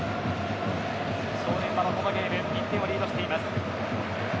正念場のこのゲーム１点をリードしています。